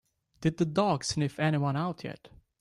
Did the dog sniff anyone out yet?